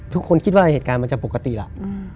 ทุกคนก็คิดว่าเหตุการณ์ก็จะปกติแล้ว